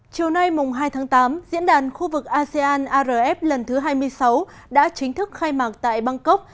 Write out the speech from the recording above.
chiều nay mùng hai tháng tám diễn đàn khu vực asean arf lần thứ hai mươi sáu đã chính thức khai mạc tại bangkok